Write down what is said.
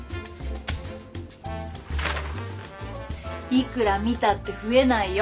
いくら見たって増えないよ